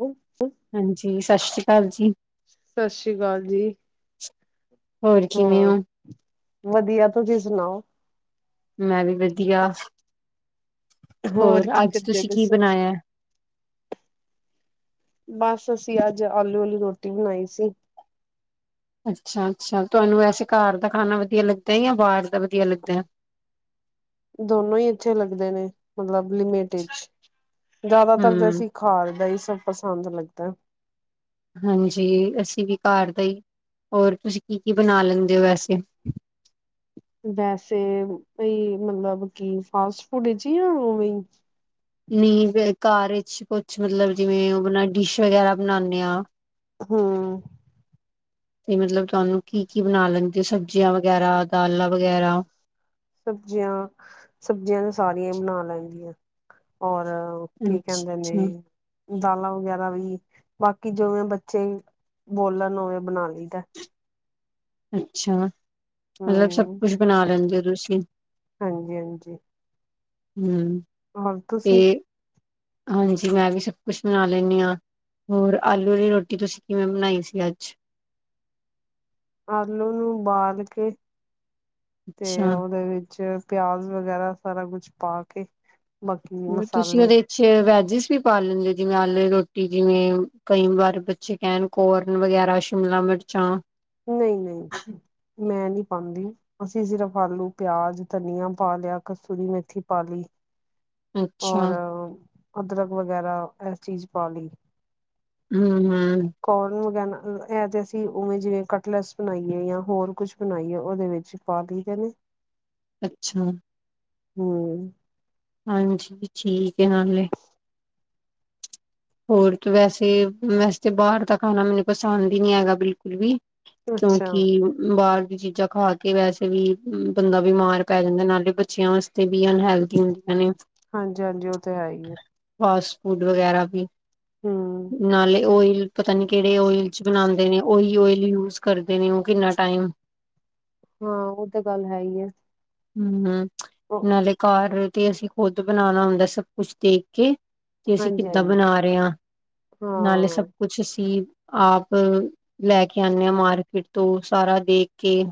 Hello ਹਾਂਜੀ ਸਤਿ ਸ੍ਰੀ ਅਕਾਲ ਜੀ ਸਤਿ ਸ੍ਰੀ ਅਕਾਲ ਜੀ। ਹੋਰ ਕਿਵੇਂ ਹੋ ਵਧੀਆ ਤੁਸੀਂ ਸੁਣਾਓ ਮੈਂ ਵੀ ਵਧੀਆ ਹੋਰ ਕੀ ਅੱਜ ਕਰਦੇ ਤੁਸੀਂ ਪਏ ਕੀ ਸੀ? ਬਣਾਇਆ ਹੈ ਬਸ ਅਸੀਂ ਅੱਜ ਆਲੂ ਆਲੀ ਰੋਟੀ ਬਣਾਈ ਸੀ ਅੱਛਾ ਅੱਛਾ ਤੁਹਾਨੂੰ ਵੈਸੇ ਘਰ ਦਾ ਖਾਣਾ ਵਧੀਆ ਲੱਗਦਾ ਜਾਂ ਬਾਹਰ ਦਾ ਵਧੀਆ ਲੱਗਦਾ ਦੋਨੋ ਹੀ ਇੱਥੇ ਲੱਗਦੇ ਨੇ ਮਤਲਬ ਲਿਮਟਿਡ ਜ਼ਿਆਦਾਤਰ ਹੂੰ, ਦੇਸੀ ਖਾ ਦਾ ਹੀ ਤੁਹਾਨੂੰ ਪਸੰਦ ਲੱਗਦਾ ਹਾਂਜੀ ਅਸੀਂ ਵੀ ਘਰ ਦਾ ਹੀ ਹੋਰ ਤੁਸੀਂ ਕੀ ਕੀ ਬਣਾ ਲੈਂਦੇ ਹੋ ਵੈਸੇ ਵੈਸੇ ਬਈ ਮਤਲਬ ਕਿ ਫਾਸਟ ਫੂਡ ਜੀ ਉਹ ਨਹੀਂ ਘਰ ਵਿੱਚ ਕੁਛ ਮਤਲਬ ਜਿਵੇਂ ਉਹ ਬਣਾ ਡਿਸ਼ ਵਗੈਰਾ ਬਣਾਉਦੇ ਆ ਹਾਂ ਤੇ ਮਤਲਬ ਤੁਹਾਨੂੰ ਕੀ ਕੀ ਬਣਾ ਲੈਂਦੇ ਹੋ ਸਬਜ਼ੀਆਂ ਵਗੈਰਾ ਦਾਲਾਂ ਵਗੈਰਾ? ਸਬਜ਼ੀਆਂ ਸਬਜ਼ੀਆਂ ਦਾ ਸਾਗ ਨ ਬਣਾ ਲੈਂਦੀ ਆ ਔਰ ਕੀ ਅੱਛਾ ਕਹਿੰਦੇ ਨੇ ਅੱਛਾ, ਦਾਲਾਂ ਵਗੈਰਾ ਵੀ ਬਾਕੀ ਜਿਵੇਂ ਬੱਚੇ ਬੋਲਣ ਉਵੇਂ ਬਣਾ ਲਈ ਦਾ ਅੱਛਾ ਮਤਲਬ ਸਭ ਹਮ ਕੁਛ ਬਣਾ ਲੈਂਦੇ ਹੋ ਤੁਸੀਂ ਹਾਂਜੀ ਹਮ ਹੁਣ ਤੁਸੀਂ ਹਾਂਜੀ ਮੈਂ ਵੀ ਸਭ ਕੁਛ ਬਣਾ ਲੈਂਦੀ ਹਾਂ ਹੋਰ ਆਲੂ ਦੀ ਰੋਟੀ ਤੁਸੀਂ ਕਿਵੇਂ ਬਣਾਈ ਸੀ ਅੱਜ ਆਲੂ ਨੂੰ ਉਬਾਲ ਕੇ ਤੇ ਅੱਛਾ ਉਹਦੇ ਵਿੱਚ ਪਿਆਜ ਵਗੈਰਾ ਸਾਰਾ ਕੁਛ ਪਾ ਕੇ ਬਾਕੀ ਤੁਸੀਂ ਮਸਾਲੇ ਉਹਦੇ ਚ ਵੈਜ ਜਿਸ ਵੀ ਪਾਲਣਦੇ ਜਿਵੇਂ ਆਲੂ ਦੀ ਰੋਟੀ ਜਿਵੇਂ ਕਈ ਵਾਰ ਬੱਚੇ ਕਹਿਣ ਕੋਰਨ ਵਗੈਰਾ ਸ਼ਿਮਲਾ ਮਿਰਚਾਂ ਨਹੀਂ ਨਹੀਂ ਮੈਂ ਨਹੀਂ ਪਾਉਂਦੀ ਅਸੀਂ ਸਿਰਫ ਆਲੂ ਪਿਆਜ ਧਨੀਆ ਪਾ ਲਿਆ ਕਸੂਰੀ ਮੇਥੀ ਪਾ ਲਈ ਅੱਛਾ ਔਰ ਅਦਰਕ ਵਗੈਰਾ ਸ ਚੀਜ਼ ਪਾ ਲਈ ਹਮ ਹਮ ਕੌਲ ਨੁ ਗਹਿਣਾ ਇਹ ਤੇ ਅਸੀਂ ਉਵੇਂ ਜਿਵੇਂ ਕਟਲਸ ਬਣਾਈਏ ਜਾਂ ਹੋਰ ਕੁਛ ਬਣਾਈਏ ਉਹਦੇ ਵਿੱਚ ਪਾ ਦੇਦੇ ਨੇ ਅੱਛਾ ਹਮ ਹਾਂਜੀ ਠੀਕ ਹੈ ਨਾਲੇ ਹੋਰ ਤੇ ਵੈਸੇ-ਵੈਸੇ ਤਾਂ ਬਾਹਰ ਦਾ ਖਾਣਾ ਮੈਨੂੰ ਪਸੰਦ ਹੀ ਨਹੀਂੀ ਹੈਗਾ ਬਿਲਕੁਲ ਵੀ ਅੱਛਾ ਕਿਉਂਕਿ ਬਾਦ ਚੀਜ਼ਾਂ ਖਾ ਕੇ ਵੈਸੇ ਵੀ ਬੰਦਾ ਬਿਮਾਰ ਪੈ ਜਾਂਦਾ ਨਾਲੇ ਬੱਚਿਆਂ ਵਾਸਤੇ ਤੇ ਵੀ ਅਨਹੈਲਦੀ ਹੁੰਦੀਆਂ ਨੇ, ਹਾਂਜੀ ਹਾਂਜੀ ਉਹ ਤੇ ਹੈ ਹੀ ਹੈ ਬਸ ਫੂਡ ਵਗੈਰਾ ਵੀ ਹਮ ਨਾਲੇ ਓਇਲ ਪਤਾ ਨੀ ਕਿਹੜੇ ਓਇਲ ਚ ਬਣਾਉਂਦੇ ਨੇ ਉਓਹੀ ਓਇਲ ਯੂਜ ਕਰਦੇ ਨੇ ਉਹ ਕਿੰਨਾ ਟਾਈਮ ਹਾਂ ਉਹ ਤਾਂ ਗੱਲ ਹੈ ਹੀ ਹੈ ਹਮ-ਮ ਨਾਲੇ ਕਰ ਤੇ ਅਸੀਂ ਖੁਦ ਬਣਾਉਣਾ ਹੁੰਦਾ ਸਭ ਕੁਛ ਦੇਖ ਕੇ ਕਿ ਅਸੀਂ ਹਾਂਜੀ ਕਿੱਦਾਂ ਹਾਂਜੀ ਬਣਾ ਰਹੇ ਹਾਂ ਨਾਲੇ ਸਭ ਹਾਂ ਕੁਛ ਅਸੀਂ ਆਪ ਲੈ ਕੇ ਆਉਂਣੇ ਹਾਂ ਮਾਰਕੀਟ ਤੋਂ ਸਾਰਾ ਦੇਖ ਕੇ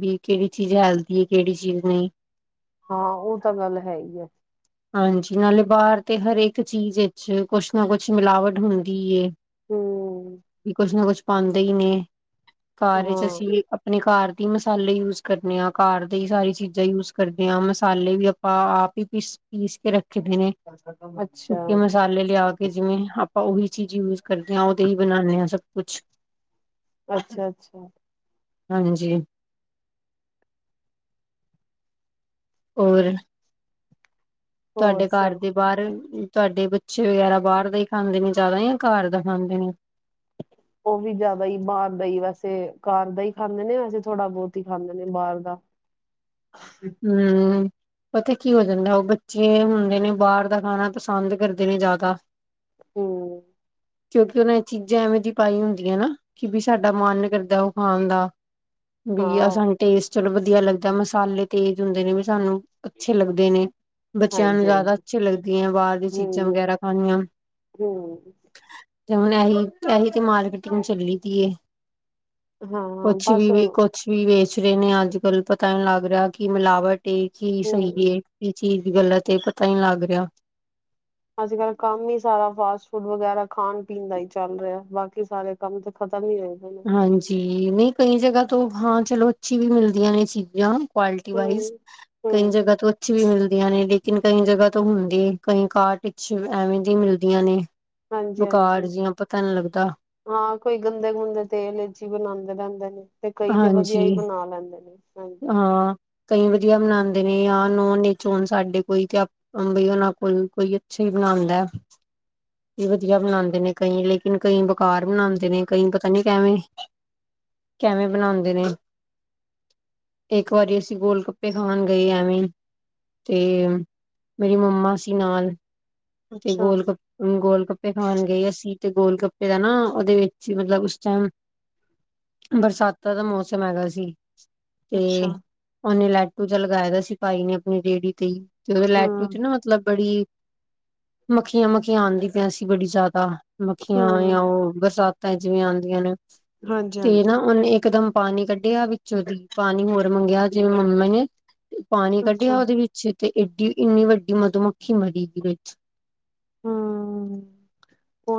ਵੀ ਕਿਹੜੀ ਚੀਜ਼ ਹੈਲਦੀ ਹੈ ਕਿਹੜੀ ਚੀਜ਼ ਨਹੀਂ ਹਾਂ ਉਹ ਤਾਂ ਗੱਲ ਹੈ ਹੀ ਹੈ ਹਾਂਜੀ ਨਾਲੇ ਬਾਹਰ ਤੇ ਹਰੇਕ ਚੀਜ਼ ਵਿੱਚ ਕੁਛ ਨਾ ਕੁਛ ਮਿਲਾਵਟ ਹੁੰਦੀ ਏ ਹਮ ਵੀ ਕੁਛ ਨਾ ਕੁਛ ਪਾਉਂਦੇ ਹੀ ਨੇ ਘਰ ਵਿੱਚ ਅਸੀਂ ਹਾਂ ਏ ਆਪਣੇ ਘਰ ਟੀ ਮਸਾਲੇ ਯੂਜ ਕਰਨੇ ਆ ਘਰ ਸਾਰੀ ਚੀਜ਼ਾਂ ਯੂਜ ਕਰਦੇ ਹਾਂ ਮਸਾਲੇ ਵੀ ਆਪਾਂ ਆਪ ਹੀ ਪੀਸ-ਪੀਸ ਕੇ ਰੱਖ ਦੇ ਨੇ ਅੱਛਾ ਸੁੱਕੇ ਮਸਾਲੇ ਲਿਆ ਕੇ ਜਿਵੇਂ ਆਪਾਂ ਉਹੀ ਚੀਜ਼ ਯੂਜ ਕਰਦੇਂ ਹਾਂ ਉਹਦੇ ਹੀ ਬਣਾਉਂਦੇ ਹਾਂ ਸਭ ਕੁਛ ਅੱਛਾ-ਅੱਛਾ ਹਾਂਜੀ ਹੋਰ ਹੋਰ ਤੁਹਾਡੇ ਘਰ ਸਭ ਦੇ ਬਾਹਰ ਤੁਹਾਡੇ ਬੱਚੇ ਵਗੈਰਾ ਬਾਹਰ ਦਾ ਹੀ ਖਾਂਦੇ ਨੇ ਜ਼ਿਆਦਾ ਜਾਂ ਘਰ ਦਾ ਖਾਂਦੇ ਨੇ ਉਹ ਵੀ ਜ਼ਿਆਦਾ ਹੀ ਬਾਹਰ ਦਾ ਹੀ ਵੈਸੇ ਘਰ ਦਾ ਹੀ ਖਾਂਦੇ ਨੇ ਵੈਸੇ ਥੋੜ੍ਹਾ ਬਹੁਤ ਹੀ ਖਾਂਦੇ ਨੇ ਬਾਹਰ ਦਾ ਹਮ-ਮ-ਮ ਪਤਾ ਕੀ ਹੋ ਜਾਂਦਾ ਉਹ ਬੱਚੇ ਹੁੰਦੇ ਨੇ ਬਾਹਰ ਦਾ ਖਾਣਾ ਪਸੰਦ ਕਰਦੇ ਨੇ ਜ਼ਿਆਦਾ ਹਮ ਕਿਉਂਕਿ ਉਹ ਨੇ ਚੀਜ਼ਾਂ ਐਵੇਂ ਜਿਹੀ ਪਾਈ ਹੁੰਦੀਆਂ ਨਾ ਕਿ ਵੀ ਸਾਡਾ ਮਨ ਕਰਦਾ ਉਹ ਖਾਣ ਦਾ ਬਆ ਹਾਂ ਸਾਨੂੰ ਟਸਟ [unintelligible] ਚਲੋ ਵਧੀਆ ਲੱਗਦਾ ਮਸਾਲੇ ਤੇਜ਼ ਹੁੰਦੇ ਨੇ ਵੀ ਸਾਨੂੰ ਅੱਛੇ ਲੱਗਦੇ ਨੇ ਬੱਚਿਆਂ ਨੂੰ ਹਾਂਜੀ ਜ਼ਿਆਦਾ ਹਾਂਜੀ ਅੱਛੀ ਲੱਗਦੀ ਹੈ ਬਾਹਰ ਦੀ ਚੀਜ਼ਾਂ ਹਮ ਵਗੈਰਾ ਖਾਣੀਆਂ ਹਮ ਤੇ ਹੁਣ ਇਹੀ ਤੇ ਇਹੀ ਮਾਰਕੀਟਿੰਗ ਚੱਲੀ ਦੀ ਹੈ ਹਾਂ ਕੁਛ ਬਸ ਵੀ ਵੀ ਕੁਛ ਵੀ ਵੇ [unintelligible] ਕੁਛ ਰਹੇ ਨੇ ਅੱਜ ਕੱਲ੍ਹ ਪਤਾ ਹੀ ਲੱਗ ਰਿਹਾ ਕੀ ਮਿਲਾਵਟ ਤੇ ਕੀ ਹਮ ਸਹੀਏ ਕੀ ਚੀਜ਼ ਗੱਲਾਂ ਤੇ ਇਹ ਪਤਾ ਹੀ ਲੱਗ ਰਿਹਾ [unintelligible] ਅੱਜ ਕੱਲ ਕੰਮ ਹੀ ਸਾਰਾ ਫਾਸਟ ਫੂਡ ਵਗੈਰਾ ਖਾਣ ਪੀਣ ਦਾ ਹੀ ਚੱਲ ਰਿਹਾ ਬਾਕੀ ਸਾਰੇ ਕੰਮ ਤੇ ਖਤਮ ਹੀ ਹੋਏ ਪਏ ਨੇ ਹਾਂਜੀ ਨਹੀਂ ਕਈ ਜਗ੍ਹਾ ਤੋਂ ਹਾਂ ਚਲੋ ਅੱਛੀ ਵੀ ਮਿਲਦੀਆਂ ਨੇ ਚੀਜ਼ਾਂ ਕਵਾਲਿਟੀ ਵਾਈਜ਼ ਹਮ ਕਈ ਹਮ ਜਗ੍ਹਾ ਤੋਂ ਅੱ ਵੀ ਮਿਲਦੀਆਂ ਨੇ ਲੇਕਿਨ ਕਈ ਜਗ੍ਹਾ ਤੋਂ ਹੁੰਦੀ ਕਈ ਕਾਰਟ ਵਿੱਚ ਐਵੇਂ ਦੀ ਮਿਲਦੀਆਂ ਨੇ। ਹਾਂਜੀ, ਹਾਂਜੀ। ਬੁਕਾਰ ਜਿਹਾ ਪਤਾ ਨੀ ਲੱਗਦਾ ਹਾਂ ਕੋਈ ਗੰਦੇ ਗੁੰਦੇ ਤੇਲ ਵਿਚ ਬਣਾਉਂਦੇ ਰਹਿੰਦੇ ਨੇ ਤੇ ਕਈ ਤੇ ਹਾਂਜੀ ਵਧੀਆ ਹੀ ਬਣਾ ਲੈਂਦੇ ਨੇ ਹਾਂਜੀ। ਹਾਂ ਕਈ ਵਧੀਆ ਬਣਾਂਦੇ ਨੇ ਜਾਂ ਨੋਨ ਇਚ ਉਨ ਸਾਡੇ ਕੋਈ ਤੇਈ ਉਹਨਾਂ ਕੋਈ, ਕੋਈ ਅੱਛਾ ਹੀ ਬਣਾਂਦਾ, ਵੀ ਵਧੀਆ ਬਣਾਂਦੇ ਨੇ ਕਈ ਲੇਕਿਨ ਕਈ ਬੇਕਾਰ ਬਣਾਂਦੇ ਨੇ ਕਈ ਪਤਾ ਨੀਂ ਕੈਵੇਂ ਕੈਵੇਂ ਬਣਾਉਂਦੇ ਨੇ। ਇੱਕ ਵਾਰੀ ਅਸੀਂ ਗੋਲ ਗੱਪੇ ਖਾਣ ਗਏ ਐਵੇਂ ਈਂ ਤੇ ਮੇਰੀ ਮੰਮਾ ਸੀ ਨਾਲ ਤੇ ਅੱਛਾ ਗੋਲ ਕੱਪ ਗੋਲ ਗੱਪੇ ਖਾਣ ਗਏ ਅਸੀਂ ਤੇ ਗੋਲ ਗੱਪੇ ਦਾ ਨਾਂ ਉਹਦੇ ਵਿੱਚ ਮਤਲਬ ਉਸ ਟਾਈਮ ਬਰਸਾਤਾਂ ਦਾ ਮੌਸਮ ਹੈਗਾ ਸੀ। ਤੇ ਅੱਛਾ ਉਹਨੇ ਲੈਟ ਲਾਟੂ ਜਿਆ ਲਗਾਇਆ ਦਾ ਸੀ ਭਾਈ ਨੇ ਆਪਣੀ ਰੇਹੜੀ ਤੇ ਈ। ਤੇ ਲੈਟੋ ਚ ਹਮ ਨਾ ਮਤਲਬ ਬੜੀ ਮੱਖੀਆਂ-ਮੱਖੀਆਂ ਆਂਦੀ ਪਿਆਆਂ ਸੀ ਬੜੀ ਜ਼ਿਆਦਾ ਮੱਖੀਆਂ ਹਮ ਜਾਂ ਉਹ ਬਰਸਾਤ ਜਿਵੇਂ ਆਉਂਦੀਆਂ ਨੇ ਹਾਂਜੀ ਤੇ ਹਾਂਜੀ ਨਾ ਉਹਨੇ ਇੱਕ ਦਮ ਪਾਣੀ ਕੱਢਿਆ ਵਿੱਚੋਂ ਦੀ ਪਾਣੀ ਹੋਰ ਮੰਗਿਆ ਜਿਵੇਂ ਮੰਮਾ ਨੇ ਪਾਣੀ ਅੱਛਾ ਕੱਢਿਆ ਉਹਦੇ ਵਿੱਚ ਤੇ ਏਡੀ ਇੰਨੀ ਵੱਡੀ ਮਧੂਮੱਖੀ ਮਰੀ ਗਈ ਵਿਚ [unintelligible] ਹਮ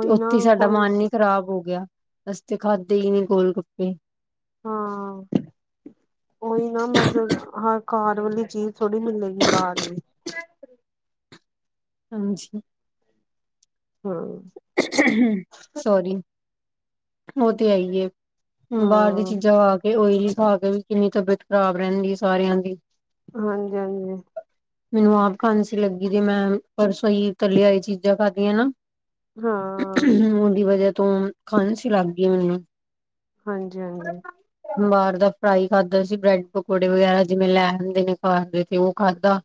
ਤੇ ਨਾ ਉੱਥੇ ਸਾਡਾ ਕੋਈ ਮਨ ਹੀ ਖ਼ਰਾਬ ਹੋ ਗਿਆ। ਅਸਤੇ ਖਾਧੇ ਈ ਨੀ ਗੋਲਗੱਪੇ। ਹਾਂ, ਔਹੀ ਨਾ ਬਸ ਹ ਘਾਰ ਵਾਲੀ ਚੀਜ਼ ਥੋੜੀ ਮਿਲੇਗੀ ਬਾਰ ਵੀ‌। ਹਾਂਜੀ। ਹਮ [unintelligible] ਸੋਰੀ। ਔ ਤੇ ਹੈ ਈ ਏ। ਬਾਰ ਦੀ ਹਮ ਚੀਜ਼ਾਂ ਖਾ ਕੇ ਔਇਲੀ ਖਾ ਕੇ ਵੀ ਕਿੰਨੀ ਤਬੀਅਤ ਖਰਾਬ ਰੈੰਦੀ ਏ ਸਾਰਿਆਂ ਦੀ। ਹਾਂਜੀ ਹਾਂਜੀ। ਮੈਨੂੰ ਆਪ ਖਾਂਸੀ ਲੱਗੀ ਦੀਏ ਮੈਂ ਪਰਸੋਂ ਪਈ ਏ ਤੱਲੀਆਂਈ ਚੀਜ਼ਾਂ ਖਾਧੀਐ ਨਾ। ਹਾਂ [unintelligible] ਊਨਦੀ ਵਜੈ ਤੋਂ ਖਾਂਣਸੀ ਲੱਗ ਗੀਏ ਮੈਨੂੰ। ਹਾਂਜੀ ਹਾਂਜੀ। ਬਾਰ ਦਾ ਫਰਾਈ ਖਾਧਾ ਸੀ ਬ੍ਰੈਡ ਪਕੌੜੇ ਵਗੈਰਾ ਜਿਵੇਂ ਲੈ ਆਂਦੇ ਨੇ ਘਰ ਦੇ ਤੇ ਔ ਖਾਧਾ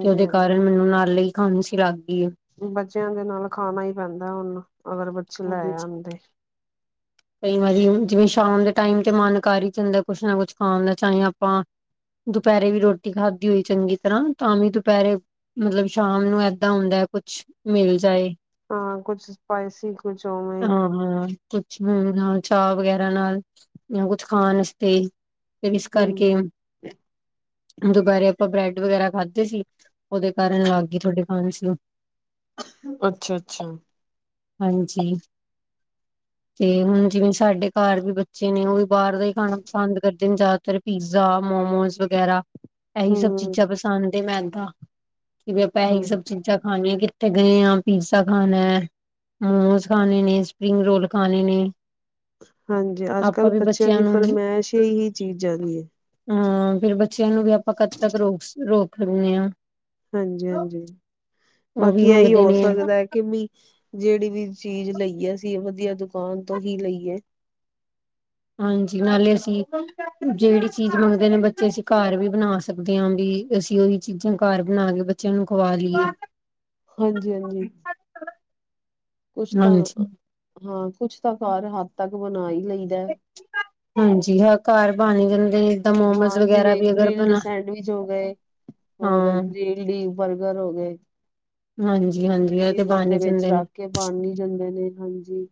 ਤੇ ਔਦੇ ਹਾਂਜੀ ਕਾਰਨ ਮੈਨੂੰ ਨਾਲੇ ਈ ਖਾਂਣਸੀ ਲੱਗ ਗਈ ਏ ਬੱਚਿਆਂ ਦੇ ਨਾਲ ਖਾਣਾ ਈ ਪੈਂਦੈ ਹੂਣ ਅਗਰ ਬੱਚੇ ਲੈ ਹਾਂਜੀ ਆਦੇ ਕਈ ਵਾਰੀ ਜਿਵੇਂ ਸ਼ਾਮ ਦੇ ਟਾਈਮ ਤੇ ਮਨ ਕਰ ਈ ਜਾਂਦੈ ਕੁਛ ਨਾ ਕੁਛ ਖਾਣ ਦਾ ਚਾਹੇ ਆਪਾਂ ਦੁਪੈਰੇ ਵੀ ਰੋਟੀ ਖਾਧੀ ਹੋਈ ਚੰਗੀ ਤਰ੍ਹਾਂ ਤਾਂ ਵੀ ਦੁਪੈਰੇ ਮਤਲਬ ਸ਼ਾਮ ਨੂੰ ਐਦਾਂ ਹੁੰਦੈ ਕੁਛ ਮਿਲ ਜਾਏ ਹਾਂ ਕੁਛ ਸਪਾਈਸੀ ਕੁਛ ਔਵੇ ਹਾਂ ਹਾਂ ਕੁਛ ਮੇਰੇ ਨਾਲ ਚਾ ਵਗੈਰਾ ਨਾਲ ਯਾ ਕੁਛ ਖਾਣ ਅਸਤੇ ਪਿਨਿਸ ਕਰ ਹੂੰ ਕੇ। ਦੁਪੈਰੇ ਅਪਾਂ ਬ੍ਰੈਡ ਵਗੈਰਾ ਖਾਧੇ ਸੀ, ਔਦੇ ਕਾਰਨ ਲਾਗ ਗੀ ਥੋਡੀ ਖਾਂਸੀ। ਅੱਛਾ ਅੱਛਾ। ਹਾਂਜੀ ਤੇ ਹੁਣ ਜਿਵੇਂ ਸਾਡੇ ਘਾਰ ਵੀ ਬੱਚੇ ਨੇ ਔ ਵੀ ਬਾਰ ਦਾ ਈ ਖਾਣਾ ਪਾਸੰਦ ਕਰਦੇ ਨੇ ਜੈਦਾਤਰ ਪੀਜ਼ਾ, ਮੋਮੋਸ ਵਗੈਰਾ। ਐਹੀ ਸਭ ਹੂੰ ਚੀਜ਼ਾਂ ਪਸੰਦ ਏ ਮੈਂਨ ਤਾ ਕਿ ਵੀ ਅਪਾਂ ਐਹੀ ਹਾਂ ਸਭ ਚੀਜ਼ਾਂ ਖਾਣੀਐ ਕਿੱਥੇ ਗਏ ਆ ਪੀਜ਼ਾ ਖਾਣਾ ਹੈ। ਮੋਮੋਸ ਖਾਣੇ ਨੇ ਸਪਰਿੰਗ ਰੋਲ ਖਾਣੇ ਨੇ। ਹਾਂਜੀ, ਆਪਾਂ ਅੱਜ-ਕੱਲ੍ਹ ਵੀ ਬੱਚਿਆਂ ਦੀ ਨੂੰ ਫਰਮੈਸ਼ ਈ ਏਹੀ ਚੀਜ਼ਾਂ ਦੀ ਏ। ਹਾਂ ਫੇਰ ਬੱਚ ਬੱਚਿਆਂ ਨੂੰ ਵੀ ਆਪਾਂ ਕਦ ਤੱਕ ਰੋਗ ਰੋਕ ਕਰਨਿਆ ਹਾਂਜੀ-ਹਾਂਜੀ ਉਹ ਵੀ ਬਾਕੀ ਇਹੀ ਮੰਗਦੇ ਹੋ ਨੇ ਸਕਦਾ ਹੈ ਕਿ ਮ ਜਿਹੜੀ ਵੀ ਚੀਜ਼ ਲਈਏ ਅਸੀਂ ਵਧੀਆ ਦੁਕਾਨ ਤੋਂ ਹੀ ਲਈਏ ਹਾਂਜੀ ਨਾਲੇ ਅਸੀਂ, ਜਿਹੜੀ ਚੀਜ਼ ਮੰਗਦੇ ਨੇ ਬੱਚੇ ਅਸੀਂ ਘਰ ਵੀ ਬਣਾ ਸਕਦੇ ਹਾਂ ਵੀ ਅਸੀਂ ਉਹੀ ਚੀਜ਼ਾਂ ਘਰ ਬਣਾ ਕੇ ਬੱਚਿਆਂ ਨੂੰ ਖਵਾ ਲਈਏ। ਹਾਂਜੀ-ਹਾਂਜੀ, ਕੁਝ ਤਾਂ, ਹਾਂਜੀ। ਹਾਂ। ਕੁਛ ਤਾਂ ਘਰ ਹੱਦ ਤੱਕ ਬਣਾ ਹੀ ਲਈਦਾ। ਹਾਂਜੀ ਹਾਂ ਘਰ ਬਣ ਜਾਂਦਾ। ਹਾਂ ਜਿਵੇਂ ਗ੍ਰਿਲਡ ਸੈਂਡਵਿਚ ਹੋ ਗਏ ਹੋਰ ਹਾਂ। ਗ੍ਰਿਲਡ ਬਰਗਰ ਹੋ ਗਏ-। ਹਾਂਜੀ-ਹਾਂਜੀ ਇਹ ਤੇ ਡੀਨਰ ਬਣ ਦੇ ਹੀ ਵਿੱਚ ਜਾਂਦੇ ਨੇ ਰੱਖ ਕੇ ਬਣ ਹੀ ਜਾਂਦੇ ਨੇ ਹਾਂਜੀ।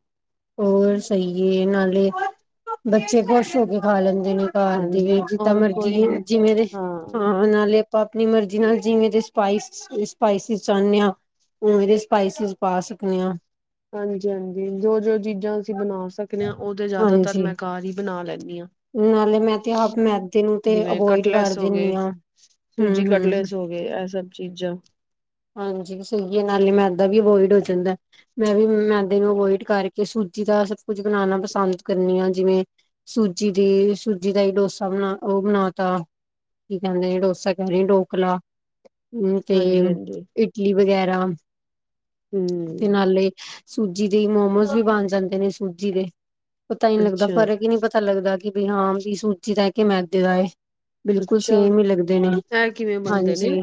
ਹੋਰ ਸਹੀ ਹੈ ਨਾਲੇ ਬੱਚੇ ਖੁਸ਼ ਹੋ ਕੇ ਖਾ ਲੈਂਦੇ। ਨੇ ਘਰ ਦੇ ਵੀ ਜਿੱਦਾਂ ਔਰ ਮਰਜੀ ਕੋਈ ਵੀ ਜਿਵੇਂ ਦੇ ਹਾਂ ਨਾਲੇ ਆਪਾਂ ਆਪਣੀ ਮਰਜੀ ਨਾਲ ਜਿਵੇਂ ਸਪਾਈਸੀਜ ਚਾਹੁੰਦੇ ਹਾਂ ਉਵੇਂ ਦੇ ਸਪਾਈਸਿਜ ਪਾ ਸਕਦੇ ਹਾਂ। ਹਾਂਜੀ-ਹਾਂਜੀ, ਜੋ ਜੋ ਚੀਜ਼ਾਂ ਅਸੀਂ ਬਣਾ ਸਕਦੇ, ਹਾਂ ਉਹ ਤੇ ਜ਼ਿਆਦਾਤਰ ਹਾਂਜੀ ਮੈਂ ਘਰ ਹੀ ਬਣਾ ਲੈਂਦੀ - ਨਾਲੇ ਮੈਂ ਤੇ ਆਪ ਮੈਦੇ ਨੂੰ ਤੇ ਜਿਵੇਂ ਅਵੋਇਡ ਕਰ ਕਟਲੈਸ ਹੋ ਦਿਨੀ ਗਏ ਹਾਂ ਸੂਜੀ ਹਮ ਹਮ ਕਟਲੈਸ ਹੋ ਗਏ ਇਹ ਸਭ ਚੀਜ਼ਾਂ ਹਾਂਜੀ ਸਹੀਏ ਨਾਲੇ ਮੈ। ਵੀ ਅਵੋਇਡ ਹੋ ਜਾਂਦਾ, ਮੈਂ ਵੀ ਮੈਦੇ ਨੂੰ ਅਵੋਇਡ ਕਰਕੇ ਸੂਜੀ ਦਾ ਸਭ ਕੁੱਝ ਬਣਾਣਾ ਪਸੰਦ ਕਰਨੀ ਹਾਂ ਜਿਵੇਂ ਸੂਜੀ ਸੂਜੀ ਦੀ ਸੂਜੀ ਦਾ ਹੀ ਡੋਸਾ ਬਣਾ ਉਹ ਬਣਾ ਤਾ ਕੀ ਕਹਿੰਦੇ ਡੋਸਾ ਕਹਿ ਰਹੀ ਢੋਕਲਾ। ਹੂੰ ਤੇ ਹਾਂਜੀ-ਹਾਂਜੀ। ਇਡਲੀ ਵਗੈਰਾ [inaudible] ਤੇ ਹੂੰ ਨਾਲੇ ਸੂਜੀ ਦੇ ਮੋਮੋਸ ਵੀ ਬਣ ਜਾਂਦੇ ਨੇ ਸੂਜੀ ਦੇ ਪਤਾ ਹੀ ਲੱਗਦਾ ਅੱਛਾ-ਅੱਛਾ ਫਰਕ ਹੀ ਨਹੀਂ ਪਤਾ। ਲੱਗਦਾ ਕਿ ਵੀ ਹਾਂ ਵੀ ਸੂਜੀ ਦਾ ਏ ਜਾ ਕੇ ਮੈਦੇ ਦਾ ਏ। ਬਿਲਕੁਲ ਅੱਛਾ ਸੇਮ ਹੀ ਲੱਗਦੇ ਨੇ ਇਹ ਕਿਵੇਂ ਬਣਦੇ ਨੇ ਹਾਂਜੀ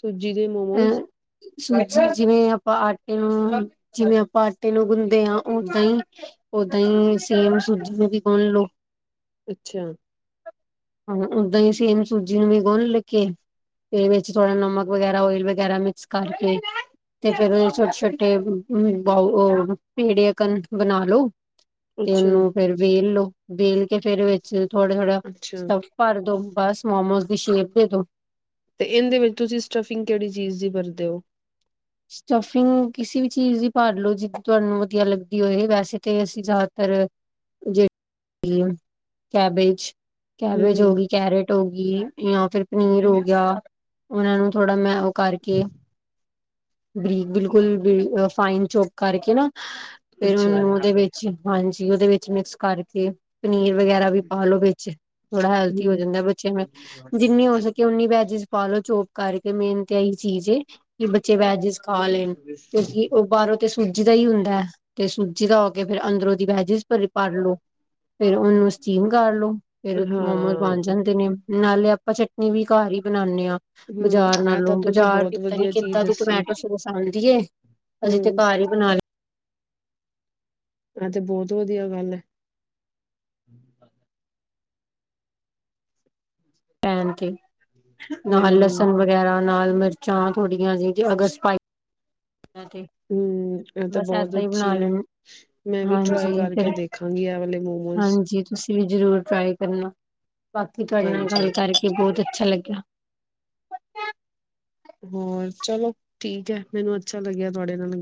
ਸੂਜੀ ਦੇ ਅ ਮੋਮੋਸ। ਸੂਜੀ ਜਿਵੇਂ ਆਪਾਂ ਆਟੇ ਨੂੰ ਜਿਵੇਂ ਆਪਾਂ ਆਟੇ ਨੂੰ ਗੁੰਦੇ ਹਾਂ ਓਦਾਂ ਹੀ ਓਦਾਂ ਹੀ ਸੇਮ ਸੂਜੀ ਨੂੰ ਵੀ। ਗੁਨ ਲਓ। ਅੱਛਾ। ਹਾਂ ਓਦਾਂ ਹੀ ਸੇਮ ਸੂਜੀ ਨੂੰ ਵੀ ਗੁਨ ਕੇ ਤੇ ਵਿੱਚ ਥੋੜਾ ਨਮਕ ਵਗੈਰਾ ਓਇਲ ਵਗੈਰਾ ਮਿਕਸ ਕਰਕੇ ਤੇ ਫੇਰ ਉਹ ਛੋਟੇ ਛੋਟੇ ਬੌਲ ਪੇਡੇ ਬਣਾ ਲੋ। ਤੇ ਉਹਨੂੰ ਅੱਛਾ-ਅੱਛਾ-ਅੱਛਾ ਫੇਰ ਵੇਲੋ ਵੇਲ ਕੇ ਫੇਰ ਵਿੱਚ ਥੋੜਾ-ਥੋੜਾ ਸਟੱਫ ਭਰ ਦੋ ਬਸ ਮੋਮੋਸ ਦੀ ਸ਼ੇਪ ਦੇ ਦਿਓ। ਤੇ ਇਹਦੇ ਵਿੱਚ ਤੁਸੀਂ ਸਟਫਿੰਗ ਕਿਹੜੀ ਚੀਜ਼ ਦੀ ਵਰਤਦੇ ਹੋ। ਸਟਫਿੰਗ ਕਿਸੇ ਵੀ ਚੀਜ਼ ਦੀ ਭਰ ਲਓ ਜਿਹਦੀ ਤੁਹਾਨੂੰ ਵਧੀਆ ਲੱਗਦੀ ਹੋਏ। ਵੈਸੇ ਤੇ ਅਸੀਂ ਜ਼ਿਆਦਾਤਰ ਜਿਹੜੇ ਕੈਬੇਜ। ਕੈਬੇਜ ਹੋ ਹੂੰ ਗਈ ਕੈਰਟ ਹੋ ਗ ਜਾਂ ਫਿਰ ਪਨੀਰ ਹੋ ਗਿਆ ਉਹਨਾਂ ਨੂੰ ਥੋੜਾ ਮੈਂ ਕਰਕੇ ਬਰੀਕ ਬਿਲਕੁਲ ਫਾਈਨ ਚੋਕ ਕਰਕੇ ਨਾ ਫਰ ਅੱਛਾ ਹੂੰ ਉਹਦੇ ਵਿੱਚ ਹਾਂਜੀ ਉਹਦੇ ਵਿੱਚ ਮਿਕਸ ਕਰਕੇ ਪਨੀਰ ਵਗੈਰਾ ਵੀ ਪਾਾਲੋ ਵਿੱਚ ਥੋੜਾ ਹੈਲਥੀ ਹੋ ਜਾਂਦਾ ਬੱਚਿਆਂ ਜਿੰਨੀ ਹੋ ਸਕੇ ਉਓਨੀ ਵੈਜ ਪਾਲੋ ਚੋਪ ਕਰਕੇ ਮੇਨਤ ਇਹੀ ਚੀਜ਼ ਏ ਕਿ ਬ ਚ ਵੈ ਜ ਖਾ ਲੈਣ ਕਿਉਂਕਿ ਉਹ ਬਾਹਰੋਂ ਤੇ ਸੂਜੀ ਦਾ ਹੀ ਹੁੰਦਾ ਹੈ। ਤੇ ਸੂਜੀ ਲਾ ਕੇ ਫਿਰ ਅੰਦਰੋਂ ਦੀ ਵੈਜਿਸ ਭ ਭਰ ਲੋ। ਫੇਰ ਉਹਨੂੰ ਸਟੀਮ ਕਰ ਲੋ ਫੇਰ ਮੋਮੋਸ ਬਣ ਹਾਂ ਜਾਂਦੇ ਨੇ। ਨਾਲੇ ਆਪਾਂ ਚਟਨੀ ਵੀ ਘਰ ਹੀ ਬਣਾਣੇ ਹਾਂ। ਹੂੰ ਬਾਜ਼ਾਰ ਇਹ ਤਾਂ ਨਾਲੋਂ ਤੁਸੀਂ ਬਾਜ਼ਾਰ ਵੀ ਬਹੁਤ ਪਤਾ ਨੀ ਵਧੀਆ ਚੀਜ਼ ਕਿੱਦਾਂ ਦੀ। ਦੱਸੀ ਟਮੈਟੋ ਸਿਰੋਸ ਆਦੀ ਏ ਅਸੀਂ ਤੇ ਹੂੰ ਘਰ ਹੀ ਬਣਾ ਆਹ ਤੇ ਬਹੁਤ ਵਧੀਆ ਗੱਲ ਹੈ। ਪੈਨ ਕੇਕ ਨਾਲ ਹੂੰ ਲਸਣ ਵਗੈਰਾ ਨਾਲ ਮਿਰਚਾਂ ਥੋੜੀਆਂ ਜਿ ਅਗਰ ਸਪਾਈ ਹੂੰ ਇਹ ਤਾਂ ਬਸ ਬਹੁਤ ਏਦਾਂ ਹੀ ਅੱਛੀ ਬਣਾ ਆ ਲੈਣ ਮੈਂ ਵੀ ਟਰਾਈ ਹਾਂਜੀ ਫੇਰ ਕਰਕੇ ਦੇਖਾਂਗੀ ਇਹ ਵਾਲੇ ਮੋਮੋਜ਼। ਹਾਂਜੀ ਤੁਸੀਂ ਵੀ ਜ਼ਰੂਰ ਟਰਾਈ ਕਰਨਾ। ਬਾਕੀ ਤੁਹਾਡੇ ਨਾਲ ਗੱਲ ਹਾਂਜੀ, ਕਰਕੇ ਬਹੁਤ ਅੱਛਾ ਲੱਗਿਆ। [unintelligible] ਹੋਰ ਚਲੋ ਠੀਕ ਹੈ ਮੈਨੂੰ ਅੱਛਾ ਲੱਗਿਆ ਤੁਹਾਡੇ ਨਾਲ